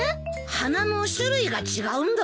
花の種類が違うんだろ？